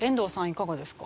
いかがですか？